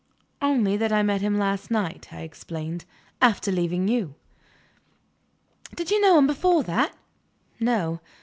"Only that I met him last night," I explained, "after leaving you." "Did you know him before that?" "No.